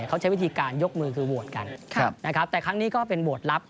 เขาใช้วิธีการยกมือคือโหวตกันนะครับแต่ครั้งนี้ก็เป็นโหวตลับ